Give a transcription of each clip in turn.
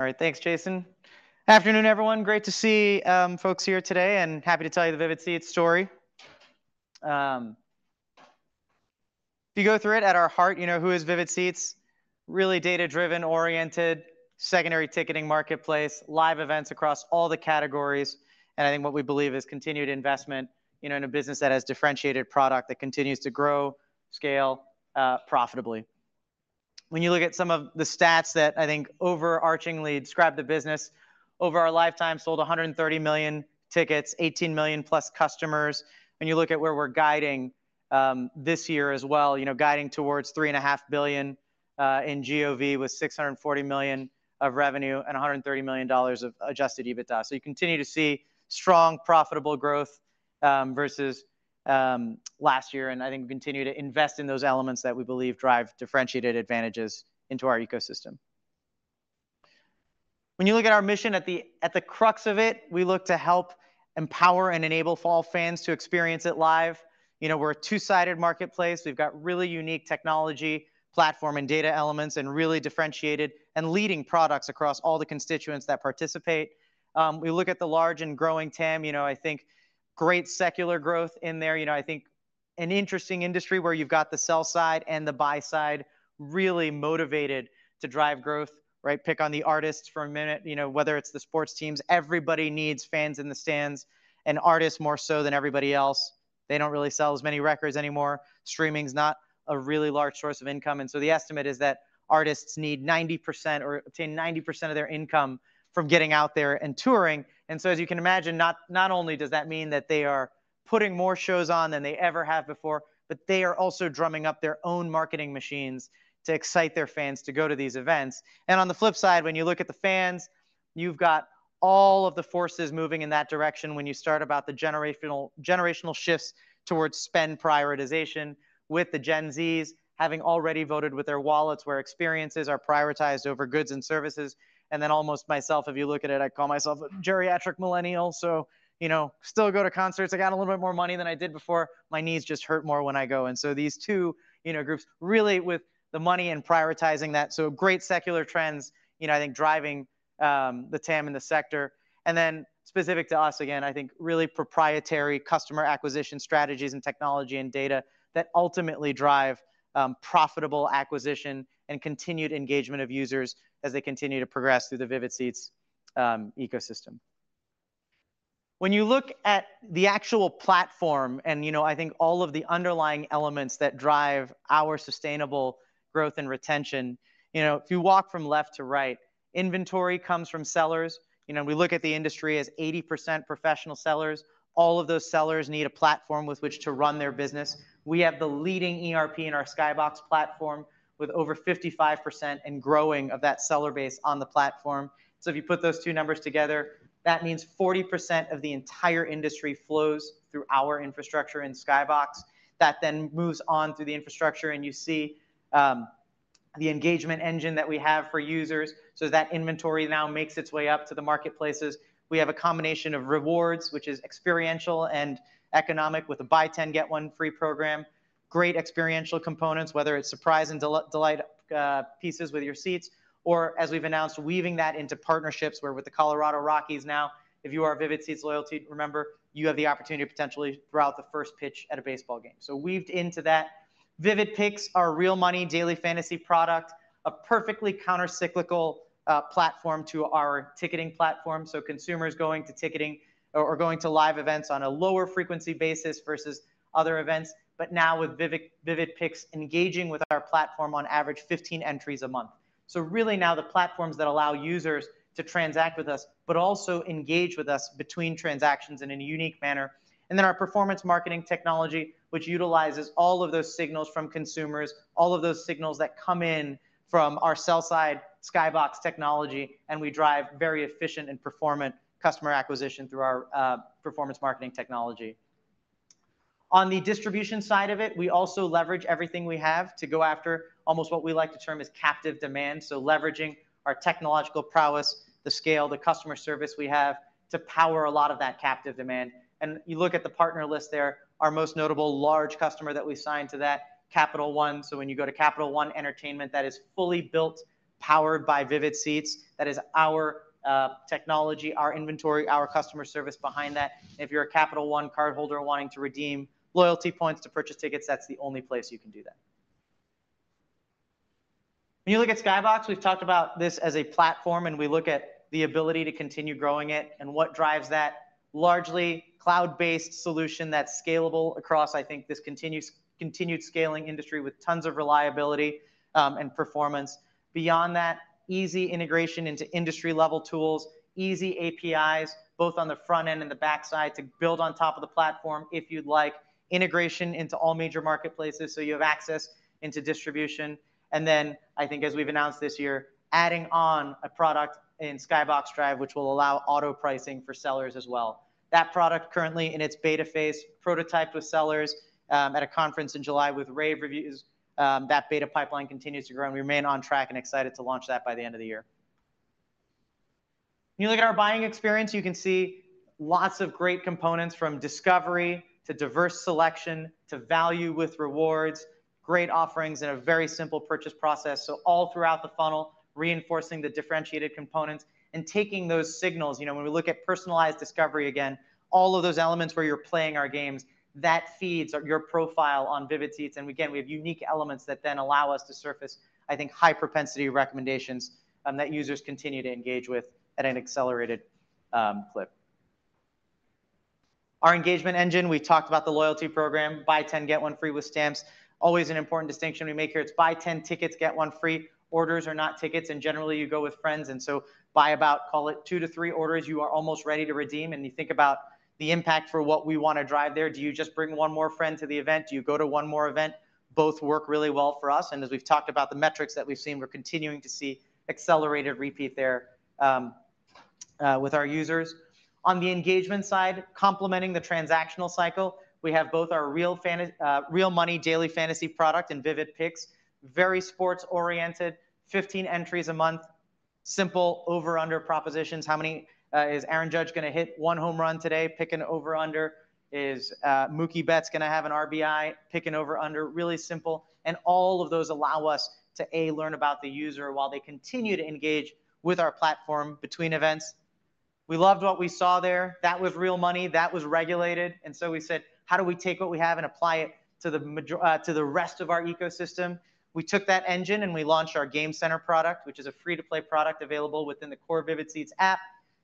All right, thanks, Jason. Afternoon, everyone. Great to see folks here today, and happy to tell you the Vivid Seats story. If you go through it, at our heart, you know, who is Vivid Seats? Really data-driven, oriented, secondary ticketing marketplace, live events across all the categories, and I think what we believe is continued investment, you know, in a business that has differentiated product that continues to grow, scale, profitably. When you look at some of the stats that I think overarchingly describe the business, over our lifetime, sold 130 million tickets, 18 million+ customers. When you look at where we're guiding this year as well, you know, guiding towards $3.5 billion in GOV with $640 million of revenue and $130 million of adjusted EBITDA. So you continue to see strong, profitable growth vs last year, and I think we continue to invest in those elements that we believe drive differentiated advantages into our ecosystem. When you look at our mission at the crux of it, we look to help empower and enable all fans to experience it live. You know, we're a two-sided marketplace. We've got really unique technology, platform, and data elements, and really differentiated and leading products across all the constituents that participate. We look at the large and growing TAM, you know, I think great secular growth in there. You know, I think an interesting industry where you've got the sell side and the buy side really motivated to drive growth, right? Pick on the artists for a minute, you know, whether it's the sports teams, everybody needs fans in the stands, and artists more so than everybody else. They don't really sell as many records anymore. Streaming's not a really large source of income, and so the estimate is that artists need 90% or obtain 90% of their income from getting out there and touring. And so as you can imagine, not only does that mean that they are putting more shows on than they ever have before, but they are also drumming up their own marketing machines to excite their fans to go to these events. And on the flip side, when you look at the fans, you've got all of the forces moving in that direction when you start about the generational, generational shifts towards spend prioritization, with the Gen Zs having already voted with their wallets, where experiences are prioritized over goods and services. And then almost myself, if you look at it, I call myself a geriatric millennial, so, you know, still go to concerts. I got a little bit more money than I did before. My knees just hurt more when I go in. So these two, you know, groups, really with the money and prioritizing that, so great secular trends, you know, I think driving the TAM in the sector. And then specific to us, again, I think really proprietary customer acquisition strategies and technology and data that ultimately drive profitable acquisition and continued engagement of users as they continue to progress through the Vivid Seats ecosystem. When you look at the actual platform and, you know, I think all of the underlying elements that drive our sustainable growth and retention, you know, if you walk from left to right, inventory comes from sellers. You know, we look at the industry as 80% professional sellers. All of those sellers need a platform with which to run their business. We have the leading ERP in our SkyBox platform, with over 55% and growing of that seller base on the platform. So if you put those two numbers together, that means 40% of the entire industry flows through our infrastructure in SkyBox. That then moves on through the infrastructure, and you see the engagement engine that we have for users, so that inventory now makes its way up to the marketplaces. We have a combination of rewards, which is experiential and economic, with a Buy 10, Get One Free program. Great experiential components, whether it's surprise and delight pieces with your seats, or as we've announced, weaving that into partnerships where with the Colorado Rockies now, if you are a Vivid Seats loyalty member, you have the opportunity to potentially throw out the first pitch at a baseball game. So weaved into that, Vivid Picks, our real money daily fantasy product, a perfectly countercyclical platform to our ticketing platform. So consumers going to ticketing or, or going to live events on a lower frequency basis vs other events, but now with Vivid, Vivid Picks engaging with our platform on average, 15 entries a month. So really now the platforms that allow users to transact with us, but also engage with us between transactions and in a unique manner. And then our performance marketing technology, which utilizes all of those signals from consumers, all of those signals that come in from our sell-side, SkyBox Technology, and we drive very efficient and performant customer acquisition through our performance marketing technology. On the distribution side of it, we also leverage everything we have to go after almost what we like to term as captive demand, so leveraging our technological prowess, the scale, the customer service we have to power a lot of that captive demand. And you look at the partner list there, our most notable large customer that we signed to that, Capital One. So when you go to Capital One Entertainment, that is fully built, powered by Vivid Seats. That is our technology, our inventory, our customer service behind that. If you're a Capital One cardholder wanting to redeem loyalty points to purchase tickets, that's the only place you can do that. When you look at SkyBox, we've talked about this as a platform, and we look at the ability to continue growing it and what drives that largely cloud-based solution that's scalable across, I think, this continued scaling industry with tons of reliability, and performance. Beyond that, easy integration into industry-level tools, easy APIs, both on the front end and the back side, to build on top of the platform if you'd like, integration into all major marketplaces, so you have access into distribution. And then I think as we've announced this year, adding on a product in SkyBox Drive, which will allow auto pricing for sellers as well. That product currently in its beta phase, prototyped with sellers, at a conference in July with rave reviews, that beta pipeline continues to grow, and we remain on track and excited to launch that by the end of the year.... You look at our buying experience, you can see lots of great components from discovery, to diverse selection, to value with rewards, great offerings, and a very simple purchase process. So all throughout the funnel, reinforcing the differentiated components and taking those signals. You know, when we look at personalized discovery again, all of those elements where you're playing our games, that feeds your profile on Vivid Seats. And again, we have unique elements that then allow us to surface, I think, high propensity recommendations that users continue to engage with at an accelerated clip. Our engagement engine, we talked about the loyalty program, Buy 10, Get One Free with stamps. Always an important distinction we make here, it's buy 10 tickets, get one free. Orders are not tickets, and generally, you go with friends, and so by about, call it two to three orders, you are almost ready to redeem. And you think about the impact for what we wanna drive there. Do you just bring one more friend to the event? Do you go to one more event? Both work really well for us, and as we've talked about the metrics that we've seen, we're continuing to see accelerated repeat there with our users. On the engagement side, complementing the transactional cycle, we have both our real money daily fantasy product and Vivid Picks, very sports-oriented, 15 entries a month, simple, over-under propositions. Is Aaron Judge gonna hit one home run today? Pick an over-under. Is Mookie Betts gonna have an RBI? Pick an over-under. Really simple, and all of those allow us to, A, learn about the user while they continue to engage with our platform between events. We loved what we saw there. That was real money, that was regulated, and so we said, "How do we take what we have and apply it to the rest of our ecosystem?" We took that engine, and we launched our Game Center product, which is a free-to-play product available within the core Vivid Seats app.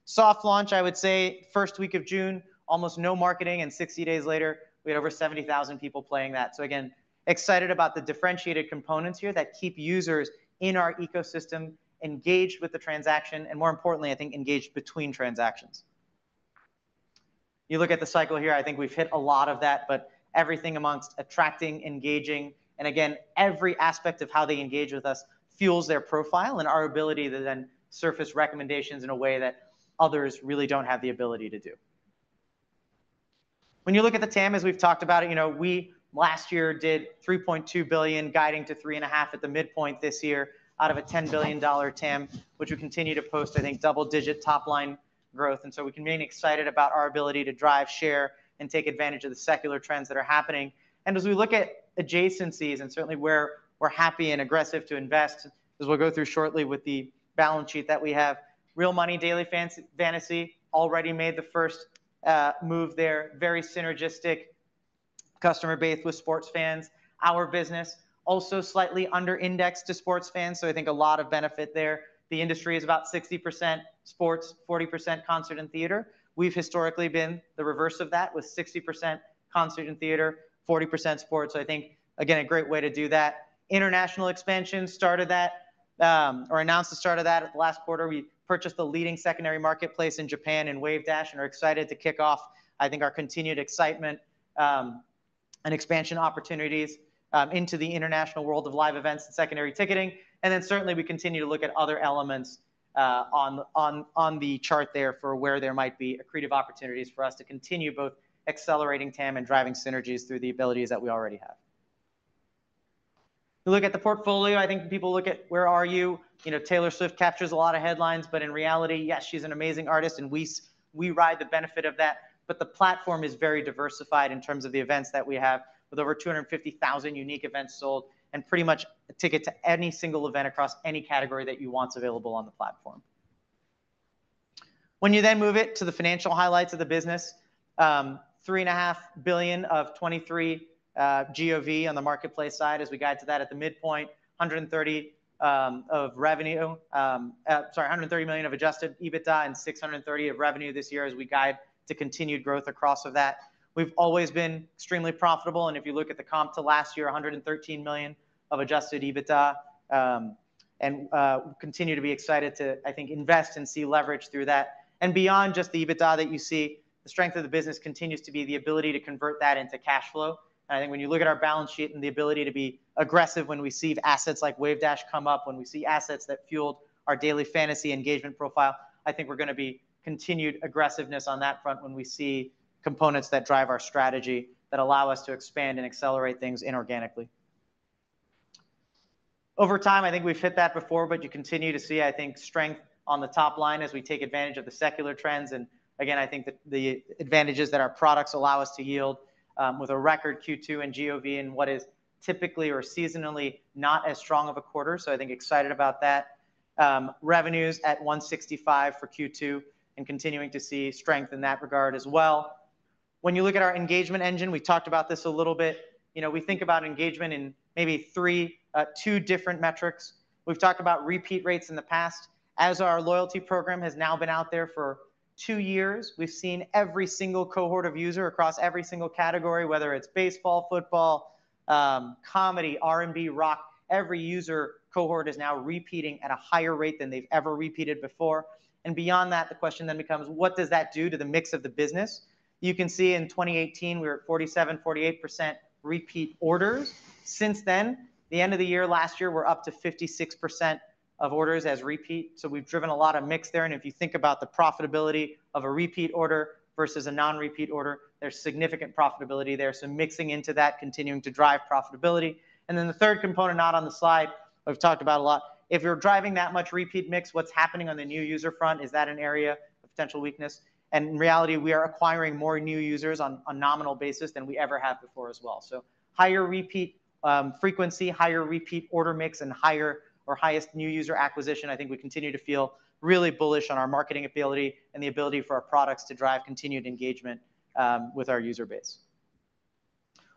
Soft launch, I would say, first week of June, almost no marketing, and 60 days later, we had over 70,000 people playing that. So again, excited about the differentiated components here that keep users in our ecosystem engaged with the transaction, and more importantly, I think, engaged between transactions. You look at the cycle here, I think we've hit a lot of that, but everything amongst attracting, engaging, and again, every aspect of how they engage with us fuels their profile and our ability to then surface recommendations in a way that others really don't have the ability to do. When you look at the TAM, as we've talked about it, you know, we last year did $3.2 billion, guiding to $3.5 billion at the midpoint this year, out of a $10 billion TAM, which we continue to post, I think, double-digit top-line growth. And so we remain excited about our ability to drive share and take advantage of the secular trends that are happening. As we look at adjacencies, and certainly where we're happy and aggressive to invest, as we'll go through shortly with the balance sheet that we have, real money daily fantasy already made the first move there. Very synergistic customer base with sports fans. Our business, also slightly under indexed to sports fans, so I think a lot of benefit there. The industry is about 60% sports, 40% concert and theater. We've historically been the reverse of that, with 60% concert and theater, 40% sports. So I think, again, a great way to do that. International expansion, started that, or announced the start of that at the last quarter. We purchased the leading secondary marketplace in Japan and Wavedash, and are excited to kick off, I think, our continued excitement, and expansion opportunities, into the international world of live events and secondary ticketing. And then certainly, we continue to look at other elements, on the chart there for where there might be accretive opportunities for us to continue both accelerating TAM and driving synergies through the abilities that we already have. If you look at the portfolio, I think people look at where are you? You know, Taylor Swift captures a lot of headlines, but in reality, yes, she's an amazing artist, and we ride the benefit of that, but the platform is very diversified in terms of the events that we have, with over 250,000 unique events sold, and pretty much a ticket to any single event across any category that you want's available on the platform. When you move it to the financial highlights of the business, $3.5 billion of 2023 GOV on the marketplace side, as we guide to that at the midpoint, $130 million of adjusted EBITDA and $630 million of revenue this year as we guide to continued growth across of that. We've always been extremely profitable, and if you look at the comp to last year, $113 million of Adjusted EBITDA, and continue to be excited to, I think, invest and see leverage through that. And beyond just the EBITDA that you see, the strength of the business continues to be the ability to convert that into cash flow. And I think when you look at our balance sheet and the ability to be aggressive when we see assets like Wavedash come up, when we see assets that fueled our daily fantasy engagement profile, I think we're gonna be continued aggressiveness on that front when we see components that drive our strategy, that allow us to expand and accelerate things inorganically. Over time, I think we've hit that before, but you continue to see, I think, strength on the top line as we take advantage of the secular trends. And again, I think that the advantages that our products allow us to yield, with a record Q2 in GOV in what is typically or seasonally not as strong of a quarter, so I think excited about that. Revenues at $165 million for Q2, and continuing to see strength in that regard as well. When you look at our engagement engine, we talked about this a little bit. You know, we think about engagement in maybe three, two different metrics. We've talked about repeat rates in the past. As our loyalty program has now been out there for two years, we've seen every single cohort of user across every single category, whether it's baseball, football, comedy, R&B, rock, every user cohort is now repeating at a higher rate than they've ever repeated before. And beyond that, the question then becomes: What does that do to the mix of the business? You can see in 2018, we were at 47%-48% repeat orders. Since then, the end of the year, last year, we're up to 56% of orders as repeat. So we've driven a lot of mix there, and if you think about the profitability of a repeat order vs a non-repeat order, there's significant profitability there. So mixing into that, continuing to drive profitability. And then the third component, not on the slide, we've talked about a lot. If you're driving that much repeat mix, what's happening on the new user front? Is that an area of potential weakness? In reality, we are acquiring more new users on a nominal basis than we ever have before as well. So higher repeat frequency, higher repeat order mix, and higher or highest new user acquisition. I think we continue to feel really bullish on our marketing ability and the ability for our products to drive continued engagement with our user base.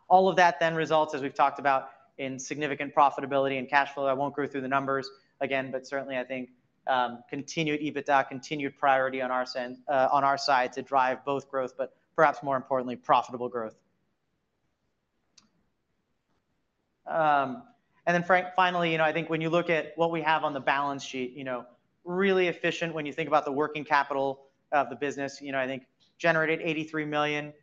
All of that then results, as we've talked about, in significant profitability and cash flow. I won't go through the numbers again, but certainly I think continued EBITDA, continued priority on our spend, on our side to drive both growth, but perhaps more importantly, profitable growth. And then finally, you know, I think when you look at what we have on the balance sheet, you know, really efficient when you think about the working capital of the business. You know, I think generated $83 million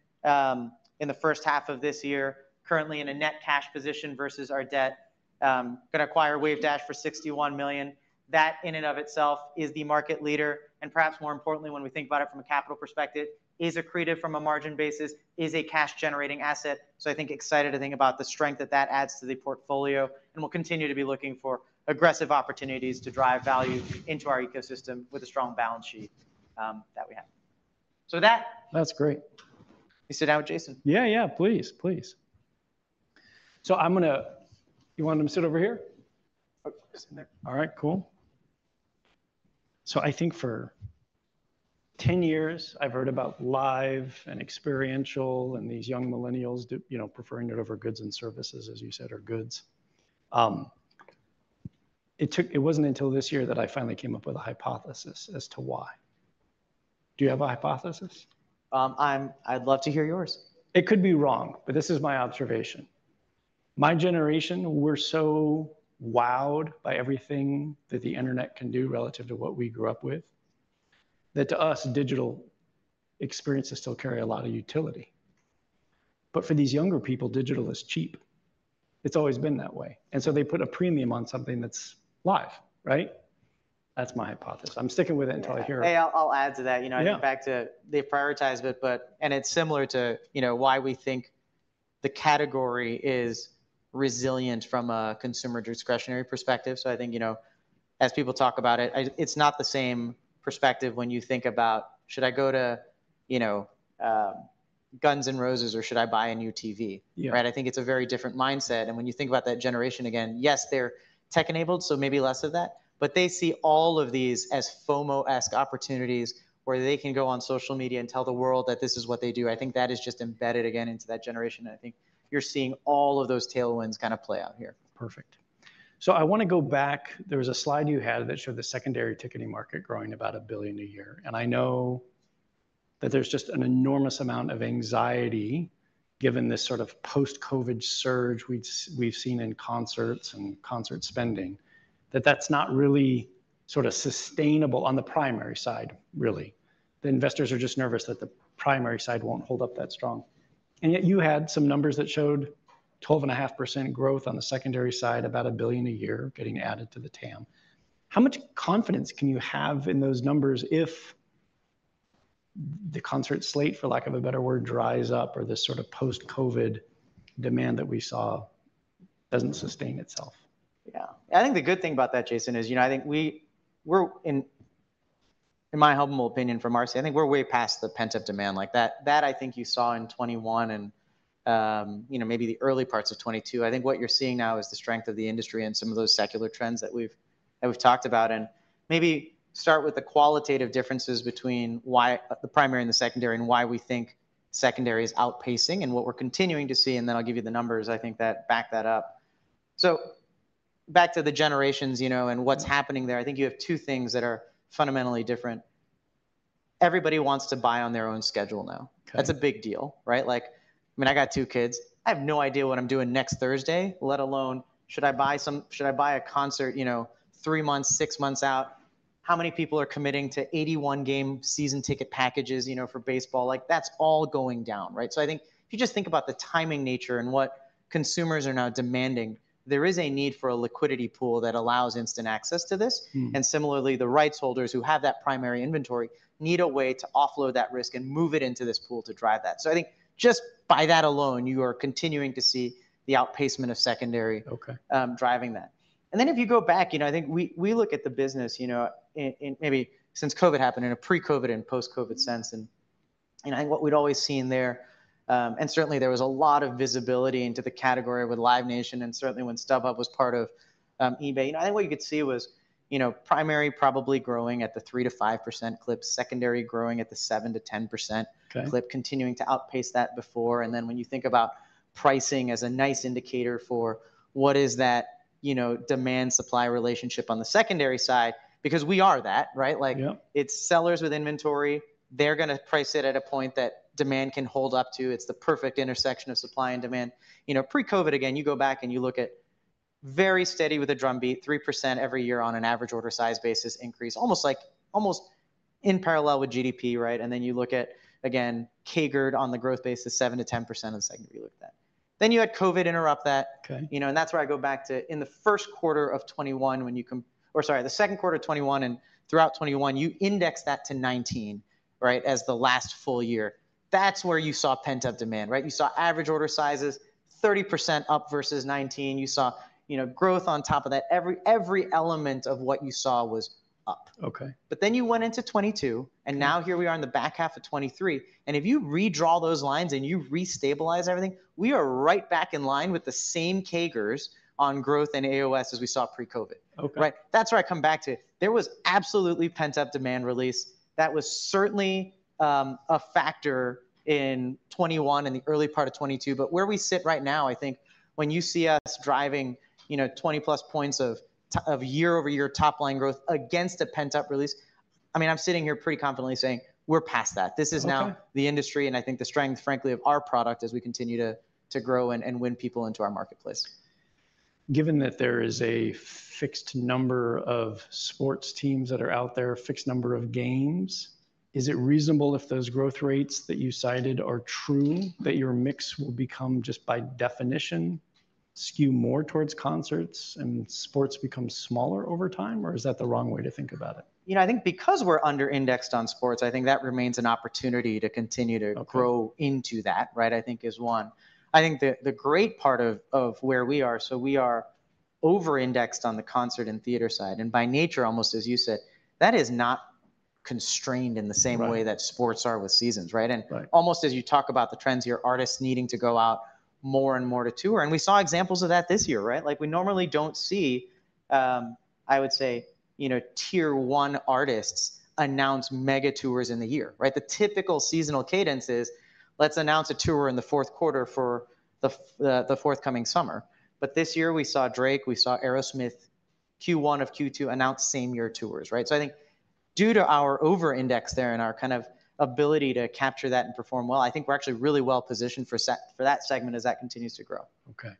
in the first half of this year. Currently in a net cash position vs our debt, gonna acquire Wavedash for $61 million. That, in and of itself, is the market leader, and perhaps more importantly, when we think about it from a capital perspective, is accretive from a margin basis, is a cash-generating asset. So I think excited to think about the strength that that adds to the portfolio, and we'll continue to be looking for aggressive opportunities to drive value into our ecosystem with the strong balance sheet that we have. So with that- That's great. Can you sit down, Jason? Yeah, yeah, please. Please. So I'm gonna... You want him to sit over here? Sit there. All right, cool. So I think for 10 years I've heard about live and experiential, and these young Millennials d- you know, preferring it over goods and services, as you said, or goods. It took... It wasn't until this year that I finally came up with a hypothesis as to why. Do you have a hypothesis? I'd love to hear yours. It could be wrong, but this is my observation. My generation, we're so wowed by everything that the internet can do relative to what we grew up with, that to us, digital experiences still carry a lot of utility. But for these younger people, digital is cheap. It's always been that way, and so they put a premium on something that's live, right? That's my hypothesis. I'm sticking with it until I hear- Hey, I'll add to that. Yeah. You know, back to the prioritize it, but... And it's similar to, you know, why we think the category is resilient from a consumer discretionary perspective. So I think, you know, as people talk about it, it's not the same perspective when you think about, "Should I go to, you know, Guns N' Roses, or should I buy a new TV? Yeah. Right? I think it's a very different mindset, and when you think about that generation, again, yes, they're tech-enabled, so maybe less of that, but they see all of these as FOMO-esque opportunities where they can go on social media and tell the world that this is what they do. I think that is just embedded again into that generation, and I think you're seeing all of those tailwinds kinda play out here. Perfect. So I wanna go back. There was a slide you had that showed the secondary ticketing market growing about $1 billion a year, and I know that there's just an enormous amount of anxiety, given this sort of post-COVID surge we've seen in concerts and concert spending, that that's not really sorta sustainable on the primary side, really. The investors are just nervous that the primary side won't hold up that strong. And yet you had some numbers that showed 12.5% growth on the secondary side, about $1 billion a year getting added to the TAM. How much confidence can you have in those numbers if the concert slate, for lack of a better word, dries up, or this sort of post-COVID demand that we saw doesn't sustain itself? Yeah. I think the good thing about that, Jason, is, you know, I think we're in... In my humble opinion from our side, I think we're way past the pent-up demand like that. That, I think you saw in 2021 and, you know, maybe the early parts of 2022. I think what you're seeing now is the strength of the industry and some of those secular trends that we've, that we've talked about. And maybe start with the qualitative differences between the primary and the secondary, and why we think secondary is outpacing and what we're continuing to see, and then I'll give you the numbers I think that back that up. So back to the generations, you know, and what's- Mm... happening there, I think you have two things that are fundamentally different. Everybody wants to buy on their own schedule now. Okay. That's a big deal, right? Like, I mean, I got two kids. I have no idea what I'm doing next Thursday, let alone should I buy a concert, you know, three months, six months out? How many people are committing to 81-game season ticket packages, you know, for baseball? Like, that's all going down, right? So I think if you just think about the timing nature and what consumers are now demanding, there is a need for a liquidity pool that allows instant access to this. Mm. And similarly, the rights holders who have that primary inventory need a way to offload that risk and move it into this pool to drive that. So I think just by that alone, you are continuing to see the outpacement of secondary- Okay... driving that. And then if you go back, you know, I think we look at the business, you know, in maybe since COVID happened, in a pre-COVID and post-COVID sense, and I think what we'd always seen there, and certainly there was a lot of visibility into the category with Live Nation, and certainly when StubHub was part of eBay. And I think what you could see was, you know, primary probably growing at the 3%-5% clip, secondary growing at the 7%-10% clip- Okay... clip, continuing to outpace that before. And then when you think about pricing as a nice indicator for what is that, you know, demand-supply relationship on the secondary side, because we are that, right? Yeah. Like, it's sellers with inventory. They're gonna price it at a point that demand can hold up to. It's the perfect intersection of supply and demand. You know, pre-COVID, again, you go back and you look at very steady with a drum beat, 3% every year on an average order size basis increase, almost like, almost in parallel with GDP, right? And then you look at, again, CAGR on the growth basis, 7%-10% on the secondary, you look at that... Then you had COVID interrupt that. Okay. You know, and that's where I go back to, in the first quarter of 2021, when you—or sorry, the second quarter of 2021 and throughout 2021, you index that to 2019, right, as the last full year. That's where you saw pent-up demand, right? You saw average order sizes 30% up vs 2019. You saw, you know, growth on top of that. Every element of what you saw was up. Okay. But then you went into 2022, and now here we are in the back half of 2023, and if you redraw those lines and you restabilize everything, we are right back in line with the same CAGRs on growth and AOS as we saw pre-COVID. Okay. Right? That's where I come back to. There was absolutely pent-up demand release. That was certainly a factor in 2021 and the early part of 2022. But where we sit right now, I think when you see us driving, you know, 20+ points of year-over-year top line growth against a pent-up release, I mean, I'm sitting here pretty confidently saying, "We're past that. Okay. This is now the industry, and I think the strength, frankly, of our product as we continue to grow and win people into our marketplace. Given that there is a fixed number of sports teams that are out there, a fixed number of games, is it reasonable if those growth rates that you cited are true, that your mix will become, just by definition, skew more towards concerts and sports become smaller over time, or is that the wrong way to think about it? You know, I think because we're under-indexed on sports, I think that remains an opportunity to continue to- Okay... grow into that, right? I think is one. I think the, the great part of, of where we are, so we are over-indexed on the concert and theater side, and by nature, almost as you said, that is not constrained in the same way- Right... that sports are with seasons, right? Right. Almost as you talk about the trends here, artists needing to go out more and more to tour. We saw examples of that this year, right? Like we normally don't see, I would say, you know, tier one artists announce mega tours in the year, right? The typical seasonal cadence is, let's announce a tour in the fourth quarter for the forthcoming summer. But this year we saw Drake, we saw Aerosmith, Q1 of Q2, announce same-year tours, right? So I think due to our over-index there and our kind of ability to capture that and perform well, I think we're actually really well positioned for that segment as that continues to grow. Okay.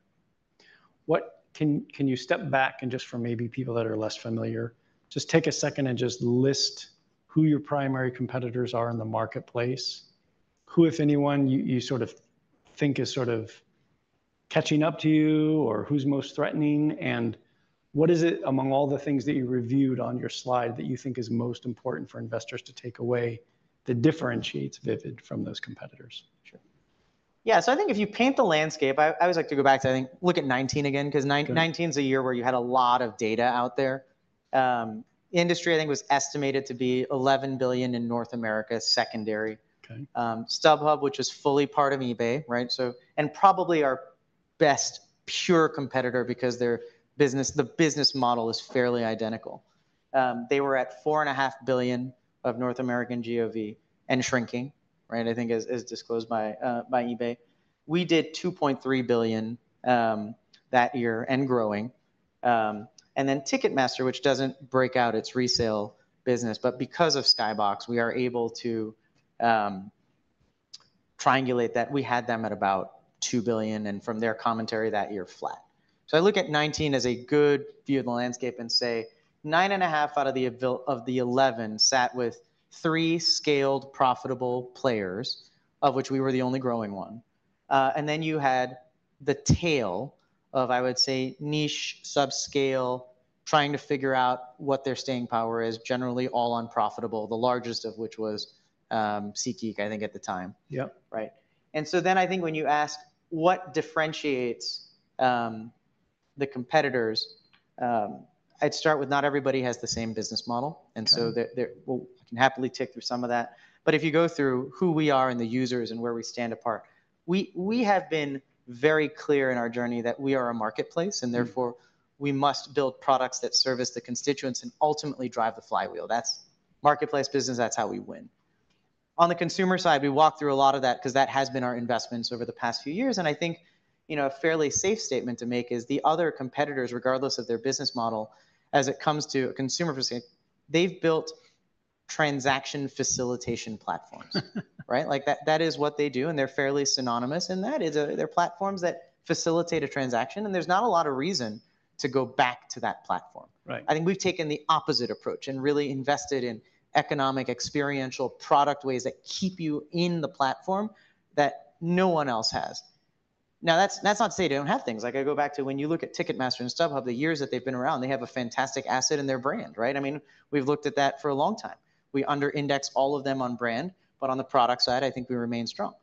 Can you step back and just for maybe people that are less familiar, just take a second and just list who your primary competitors are in the marketplace? Who, if anyone, you sort of think is sort of catching up to you, or who's most threatening, and what is it, among all the things that you reviewed on your slide, that you think is most important for investors to take away that differentiates Vivid from those competitors? Sure. Yeah, so I think if you paint the landscape, I, I always like to go back to, I think, look at 2019 again, 'cause nine- Okay... 2019's a year where you had a lot of data out there. Industry, I think, was estimated to be $11 billion in North America, secondary. Okay. StubHub, which is fully part of eBay, right? So, and probably our best pure competitor because their business, the business model is fairly identical. They were at $4.5 billion of North American GOV and shrinking, right? I think as, as disclosed by, by eBay. We did $2.3 billion, that year, and growing. And then Ticketmaster, which doesn't break out its resale business, but because of SkyBox, we are able to, triangulate that. We had them at about $2 billion, and from their commentary that year, flat. So I look at 2019 as a good view of the landscape and say, 9.5 out of the avail- of the 11 sat with three scaled, profitable players, of which we were the only growing one. And then you had the tail of, I would say, niche, subscale, trying to figure out what their staying power is, generally all unprofitable, the largest of which was, SeatGeek, I think, at the time. Yep. Right. I think when you ask what differentiates the competitors, I'd start with not everybody has the same business model. Okay. Well, I can happily tick through some of that, but if you go through who we are and the users and where we stand apart, we have been very clear in our journey that we are a marketplace, and therefore, we must build products that service the constituents and ultimately drive the flywheel. That's marketplace business, that's how we win. On the consumer side, we walked through a lot of that 'cause that has been our investments over the past few years, and I think, you know, a fairly safe statement to make is the other competitors, regardless of their business model, as it comes to a consumer perspective, they've built transaction facilitation platforms. Right? Like, that is what they do, and they're fairly synonymous in that. It's, they're platforms that facilitate a transaction, and there's not a lot of reason to go back to that platform. Right. I think we've taken the opposite approach and really invested in economic, experiential product ways that keep you in the platform that no one else has. Now, that's not to say they don't have things. Like, I go back to when you look at Ticketmaster and StubHub, the years that they've been around, they have a fantastic asset in their brand, right? I mean, we've looked at that for a long time. We under-index all of them on brand, but on the product side, I think we remain strong.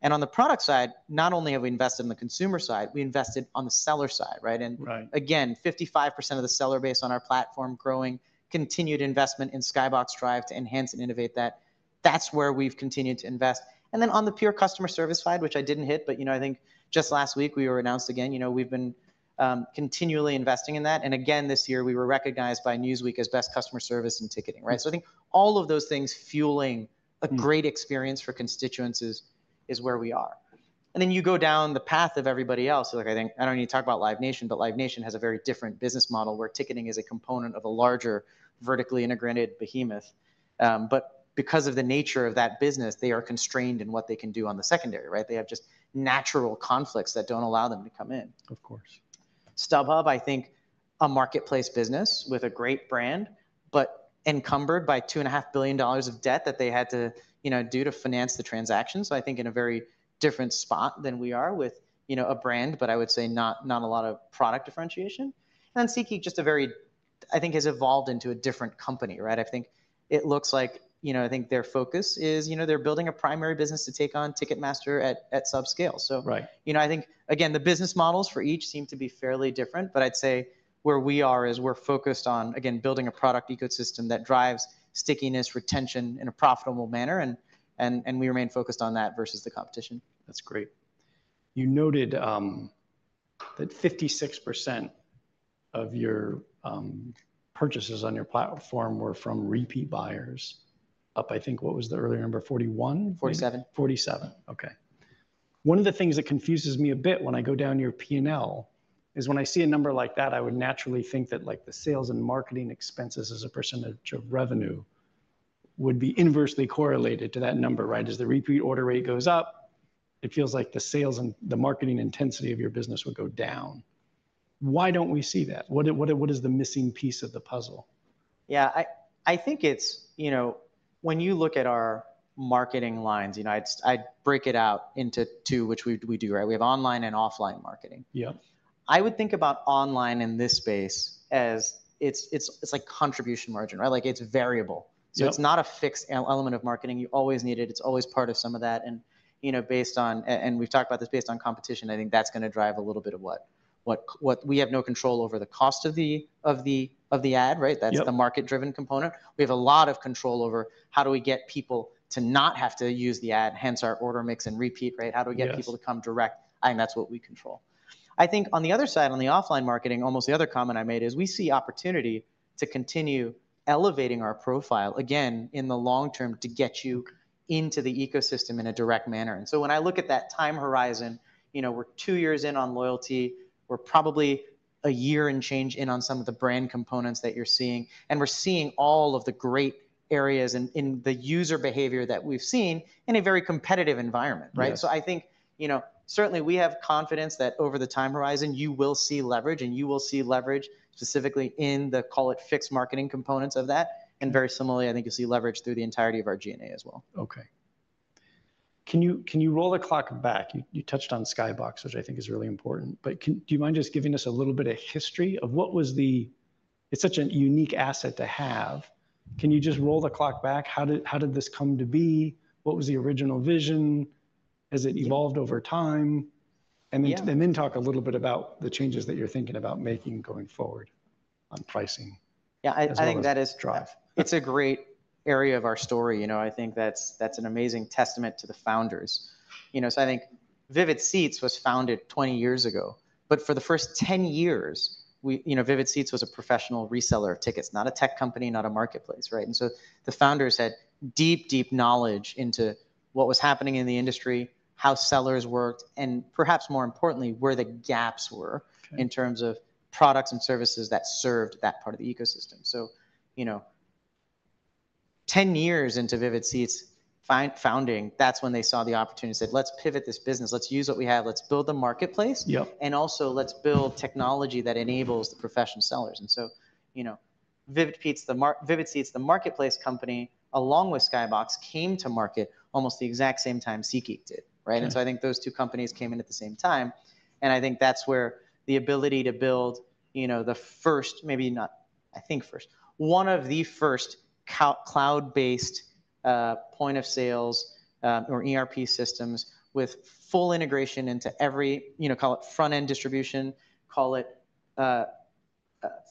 And on the product side, not only have we invested in the consumer side, we invested on the seller side, right? And- Right... again, 55% of the seller base on our platform growing, continued investment in SkyBox Drive to enhance and innovate that. That's where we've continued to invest. And then on the pure customer service side, which I didn't hit, but, you know, I think just last week we were announced again, you know, we've been continually investing in that. And again, this year, we were recognized by Newsweek as best customer service in ticketing, right? Right. So I think all of those things fueling- Mm... a great experience for constituencies is where we are. And then you go down the path of everybody else, like, I think, I don't need to talk about Live Nation, but Live Nation has a very different business model, where ticketing is a component of a larger, vertically integrated behemoth. But because of the nature of that business, they are constrained in what they can do on the secondary, right? They have just natural conflicts that don't allow them to come in. Of course.... StubHub, I think a marketplace business with a great brand, but encumbered by $2.5 billion of debt that they had to, you know, do to finance the transaction. So I think in a very different spot than we are with, you know, a brand, but I would say not, not a lot of product differentiation. And then SeatGeek, just a very- I think has evolved into a different company, right? I think it looks like, you know, I think their focus is, you know, they're building a primary business to take on Ticketmaster at, at subscale. So- Right. You know, I think, again, the business models for each seem to be fairly different, but I'd say where we are is we're focused on, again, building a product ecosystem that drives stickiness, retention in a profitable manner, and, and, and we remain focused on that vs the competition. That's great. You noted that 56% of your purchases on your platform were from repeat buyers, up, I think, what was the earlier number? 41? 47. 47. Okay. One of the things that confuses me a bit when I go down your P&L, is when I see a number like that, I would naturally think that, like, the sales and marketing expenses as a percentage of revenue would be inversely correlated to that number, right? As the repeat order rate goes up, it feels like the sales and the marketing intensity of your business would go down. Why don't we see that? What, what, what is the missing piece of the puzzle? Yeah, I think it's, you know, when you look at our marketing lines, you know, I'd break it out into two, which we do, right? We have online and offline marketing. Yeah. I would think about online in this space as it's like contribution margin, right? Like, it's variable. Yeah. So it's not a fixed element of marketing. You always need it, it's always part of some of that. And, you know, based on and we've talked about this, based on competition, I think that's gonna drive a little bit of what we have no control over the cost of the ad, right? Yeah. That's the market-driven component. We have a lot of control over how do we get people to not have to use the ad, hence our order mix and repeat, right? Yes. How do we get people to come direct? I think that's what we control. I think on the other side, on the offline marketing, almost the other comment I made is we see opportunity to continue elevating our profile, again, in the long term, to get you into the ecosystem in a direct manner. And so when I look at that time horizon, you know, we're two years in on loyalty, we're probably a year and change in on some of the brand components that you're seeing, and we're seeing all of the great areas in, in the user behavior that we've seen in a very competitive environment, right? Yes. So I think, you know, certainly we have confidence that over the time horizon, you will see leverage, and you will see leverage specifically in the, call it, fixed marketing components of that. Yeah. Very similarly, I think you'll see leverage through the entirety of our G&A as well. Okay. Can you roll the clock back? You touched on SkyBox, which I think is really important, but can... Do you mind just giving us a little bit of history of what was the... It's such a unique asset to have. Can you just roll the clock back? How did this come to be? What was the original vision? Has it evolved over time? Yeah. And then talk a little bit about the changes that you're thinking about making going forward on pricing- Yeah, I think that is- As well as drive. It's a great area of our story. You know, I think that's, that's an amazing testament to the founders. You know, so I think Vivid Seats was founded 20 years ago, but for the first 10 years, we... You know, Vivid Seats was a professional reseller of tickets, not a tech company, not a marketplace, right? And so the founders had deep, deep knowledge into what was happening in the industry, how sellers worked, and perhaps more importantly, where the gaps were- Okay... in terms of products and services that served that part of the ecosystem. So, you know, 10 years into Vivid Seats' founding, that's when they saw the opportunity and said: "Let's pivot this business. Let's use what we have. Let's build a marketplace- Yeah. - and also let's build technology that enables the professional sellers." And so, you know, Vivid Seats, the marketplace company, along with SkyBox, came to market almost the exact same time SeatGeek did, right? Yeah. And so I think those two companies came in at the same time, and I think that's where the ability to build, you know, the first, maybe not, I think first, one of the first cloud-based point of sales or ERP systems with full integration into every, you know, call it front-end distribution, call it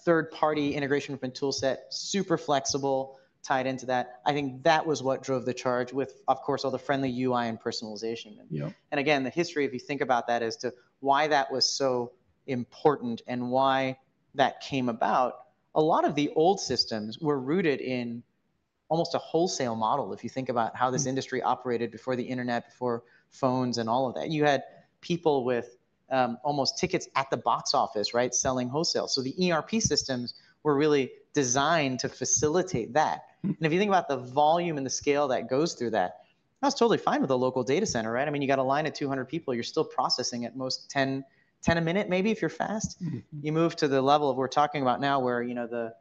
third-party integration open tool set, super flexible, tied into that. I think that was what drove the charge with, of course, all the friendly UI and personalization. Yeah. And again, the history, if you think about that, as to why that was so important and why that came about, a lot of the old systems were rooted in almost a wholesale model. If you think about how this industry operated before the internet, before phones, and all of that, you had people with almost tickets at the box office, right, selling wholesale. So the ERP systems were really designed to facilitate that. Mm. If you think about the volume and the scale that goes through that, that's totally fine with a local data center, right? I mean, you got a line of 200 people, you're still processing at most 10, 10 a minute, maybe, if you're fast. Mm-hmm. You move to the level of we're talking about now, where, you know, the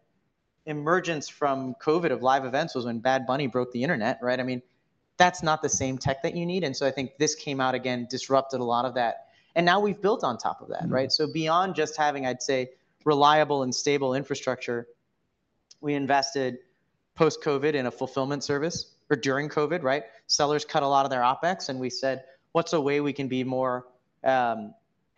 emergence from COVID of live events was when Bad Bunny broke the internet, right? I mean, that's not the same tech that you need. And so I think this came out again, disrupted a lot of that, and now we've built on top of that, right? Mm. So beyond just having, I'd say, reliable and stable infrastructure, we invested post-COVID in a fulfillment service, or during COVID, right? Sellers cut a lot of their OpEx, and we said: "What's a way we can be more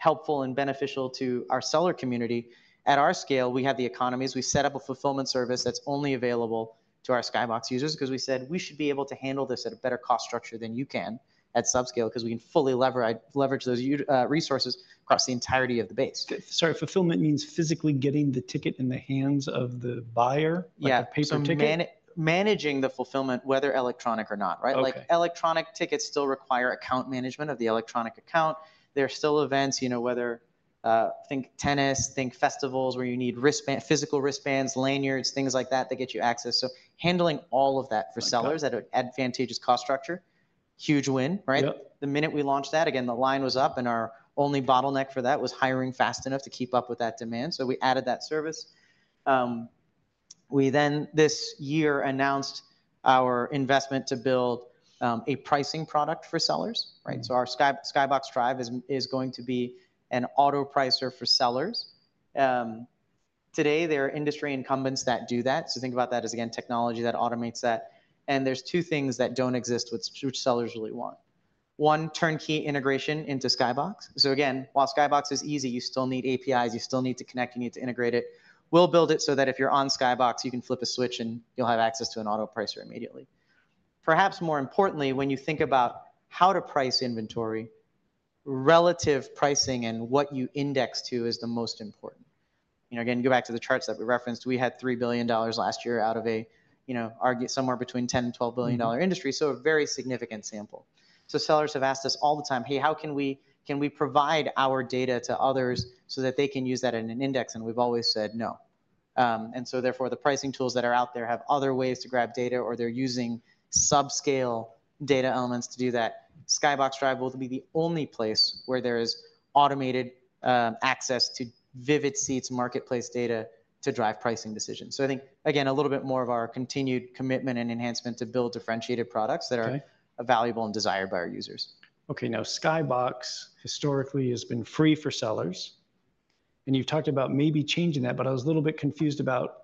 helpful and beneficial to our seller community?" At our scale, we have the economies. We set up a fulfillment service that's only available to our SkyBox users because we said: "We should be able to handle this at a better cost structure than you can at subscale, because we can fully leverage those resources across the entirety of the base. Sorry, fulfillment means physically getting the ticket in the hands of the buyer? Yeah. Like a paper ticket? So managing the fulfillment, whether electronic or not, right? Okay. Like, electronic tickets still require account management of the electronic account. There are still events, you know, whether, think tennis, think festivals, where you need wristband... physical wristbands, lanyards, things like that, that get you access. So handling all of that for sellers- Okay... at an advantageous cost structure. Huge win, right? Yep. The minute we launched that, again, the line was up, and our only bottleneck for that was hiring fast enough to keep up with that demand. So we added that service. We then, this year, announced our investment to build a pricing product for sellers, right? So our SkyBox Drive is going to be an auto pricer for sellers. Today, there are industry incumbents that do that, so think about that as, again, technology that automates that. And there's two things that don't exist, which sellers really want: one, turnkey integration into SkyBox. So again, while SkyBox is easy, you still need APIs, you still need to connect, you need to integrate it. We'll build it so that if you're on SkyBox, you can flip a switch, and you'll have access to an auto pricer immediately. Perhaps more importantly, when you think about how to price inventory, relative pricing and what you index to is the most important. You know, again, you go back to the charts that we referenced, we had $3 billion last year out of a, you know, arguably somewhere between $10 billion and $12 billion-dollar industry- Mm-hmm... so a very significant sample. So sellers have asked us all the time, "Hey, how can we- can we provide our data to others so that they can use that in an index?" And we've always said, "No." And so therefore, the pricing tools that are out there have other ways to grab data, or they're using subscale data elements to do that. SkyBox Drive will be the only place where there is automated, access to Vivid Seats marketplace data to drive pricing decisions. So I think, again, a little bit more of our continued commitment and enhancement to build differentiated products that are- Okay... valuable and desired by our users. Okay, now SkyBox historically has been free for sellers, and you've talked about maybe changing that, but I was a little bit confused about,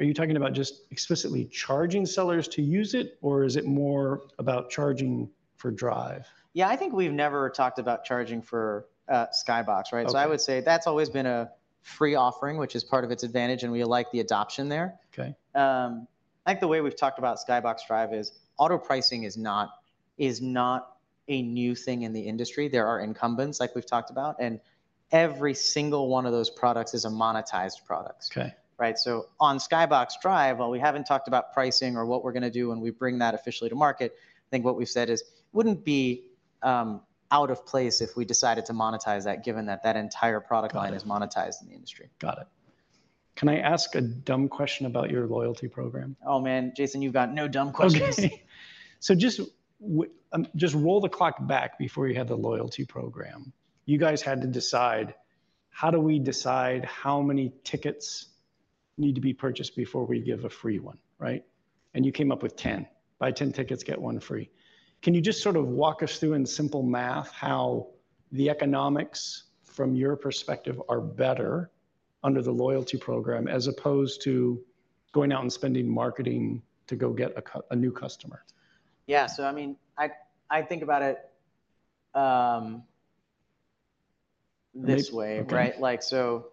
are you talking about just explicitly charging sellers to use it, or is it more about charging for Drive? Yeah, I think we've never talked about charging for SkyBox, right? Okay. I would say that's always been a free offering, which is part of its advantage, and we like the adoption there. Okay. I think the way we've talked about SkyBox Drive is auto pricing is not a new thing in the industry. There are incumbents, like we've talked about, and every single one of those products is a monetized product. Okay. Right? So on SkyBox Drive, while we haven't talked about pricing or what we're gonna do when we bring that officially to market, I think what we've said is it wouldn't be out of place if we decided to monetize that, given that that entire product line- Got it... is monetized in the industry. Got it. Can I ask a dumb question about your loyalty program? Oh, man, Jason, you've got no dumb questions. Okay. So just roll the clock back before you had the loyalty program. You guys had to decide: how do we decide how many tickets need to be purchased before we give a free one, right? And you came up with 10. Buy 10 tickets, get one free. Can you just sort of walk us through in simple math how the economics, from your perspective, are better under the loyalty program as opposed to going out and spending marketing to go get a new customer? Yeah, so I mean, I think about it this way- Okay... right? Like, so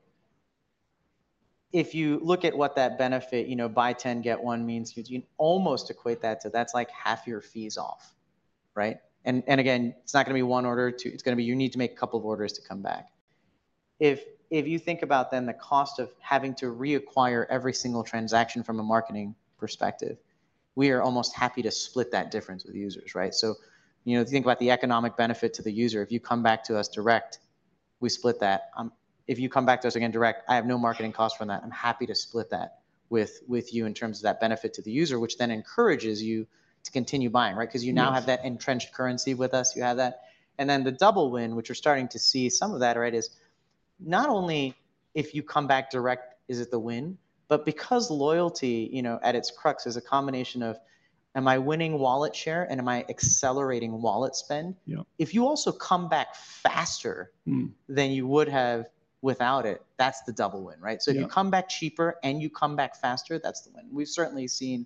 if you look at what that benefit, you know, buy ten, get one means, you, you can almost equate that to that's like half your fees off, right? And, and again, it's not gonna be one order or two, it's gonna be, you need to make a couple of orders to come back. If, if you think about then the cost of having to reacquire every single transaction from a marketing perspective, we are almost happy to split that difference with users, right? So, you know, if you think about the economic benefit to the user, if you come back to us direct, we split that. If you come back to us again direct, I have no marketing cost from that. I'm happy to split that with, with you in terms of that benefit to the user, which then encourages you to continue buying, right? Yes. 'Cause you now have that entrenched currency with us, you have that. And then the double win, which we're starting to see some of that, right, is not only if you come back direct is it the win, but because loyalty, you know, at its crux, is a combination of, am I winning wallet share, and am I accelerating wallet spend? Yeah. If you also come back faster- Mm... than you would have without it, that's the double win, right? Yeah. So if you come back cheaper and you come back faster, that's the win. We've certainly seen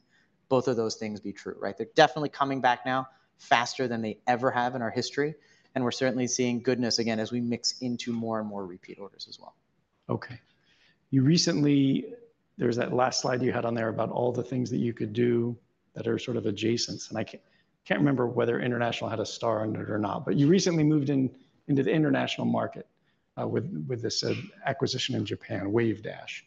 both of those things be true, right? They're definitely coming back now faster than they ever have in our history, and we're certainly seeing goodness again as we mix into more and more repeat orders as well. Okay. You recently... There was that last slide you had on there about all the things that you could do that are sort of adjacents, and I can't remember whether international had a star under it or not, but you recently moved into the international market with this acquisition in Japan, Wavedash.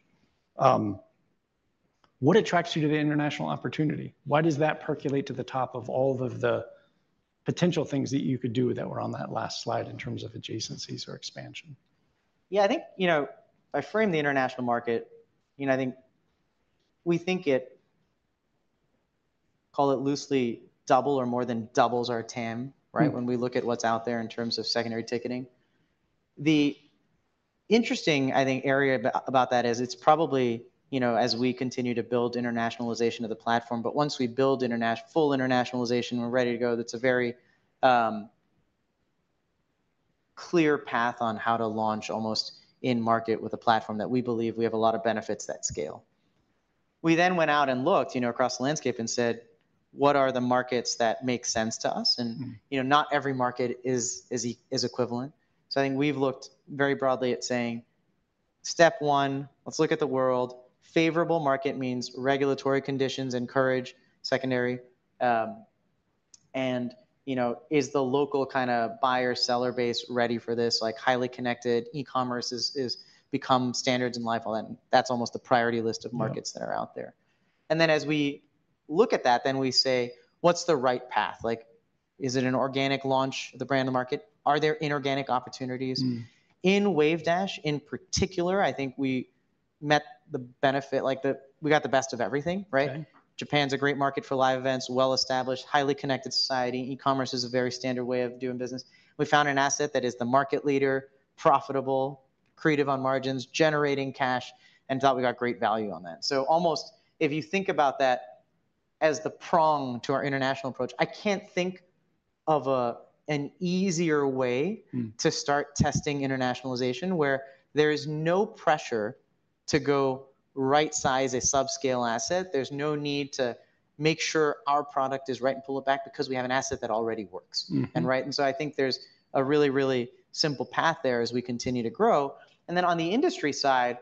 What attracts you to the international opportunity? Why does that percolate to the top of all of the potential things that you could do that were on that last slide in terms of adjacencies or expansion? Yeah, I think, you know, I frame the international market, you know, I think... We think it, call it loosely, double or more than doubles our TAM, right? Mm. When we look at what's out there in terms of secondary ticketing. The interesting, I think, area about that is it's probably, you know, as we continue to build internationalization of the platform, but once we build full internationalization, we're ready to go, that's a very clear path on how to launch almost in market with a platform that we believe we have a lot of benefits that scale. We then went out and looked, you know, across the landscape and said: What are the markets that make sense to us? Mm. You know, not every market is equivalent. So I think we've looked very broadly at saying, "Step one, let's look at the world." Favorable market means regulatory conditions encourage secondary, and, you know, is the local kind of buyer-seller base ready for this? Like, highly connected e-commerce is become standards in life, all that. That's almost the priority list of markets- Yeah... that are out there. And then, as we look at that, then we say: What's the right path? Like, is it an organic launch of the brand of the market? Are there inorganic opportunities? Mm. In Wavedash, in particular, I think we met the benefit, like the, we got the best of everything, right? Right. Japan's a great market for live events, well-established, highly connected society. E-commerce is a very standard way of doing business. We found an asset that is the market leader, profitable, accretive on margins, generating cash, and thought we got great value on that. So almost, if you think about that as the prong to our international approach, I can't think of an easier way- Mm. to start testing internationalization, where there is no pressure to go rightsize a subscale asset. There's no need to make sure our product is right and pull it back because we have an asset that already works. Mm-hmm. And right, and so I think there's a really, really simple path there as we continue to grow. And then, on the industry side,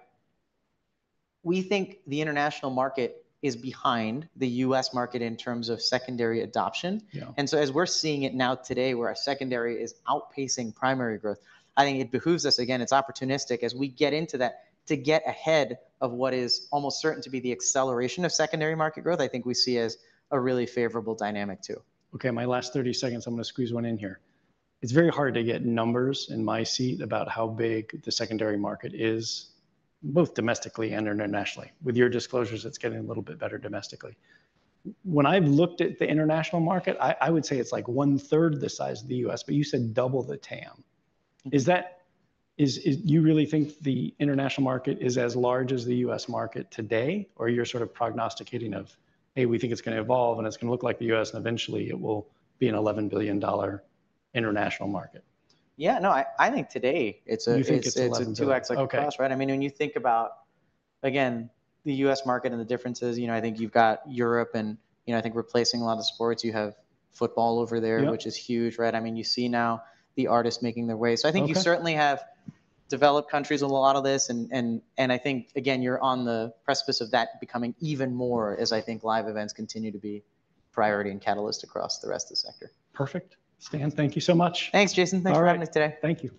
we think the international market is behind the U.S. market in terms of secondary adoption. Yeah. And so, as we're seeing it now today, where our secondary is outpacing primary growth, I think it behooves us, again, it's opportunistic as we get into that, to get ahead of what is almost certain to be the acceleration of secondary market growth, I think we see as a really favorable dynamic, too. Okay, my last 30 seconds, I'm gonna squeeze one in here. It's very hard to get numbers in my seat about how big the secondary market is, both domestically and internationally. With your disclosures, it's getting a little bit better domestically. When I've looked at the international market, I would say it's, like, 1/3 the size of the U.S., but you said double the TAM. Mm. you really think the international market is as large as the U.S. market today? Or you're sort of prognosticating of, "Hey, we think it's gonna evolve, and it's gonna look like the U.S., and eventually it will be an $11 billion international market"? Yeah, no, I think today it's a- You think it's eleven- It's a 2x across. Okay. Right, I mean, when you think about, again, the U.S. market and the differences, you know, I think you've got Europe and, you know, I think we're placing a lot of sports. You have football over there- Yeah... which is huge, right? I mean, you see now the artists making their way. Okay. So I think you certainly have developed countries a lot of this, and I think, again, you're on the precipice of that becoming even more, as I think live events continue to be priority and catalyst across the rest of the sector. Perfect. Stan, thank you so much. Thanks, Jason. All right. Thanks for having me today. Thank you.